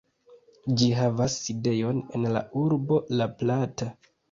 Ĝi havas sidejon en la urbo La Plata.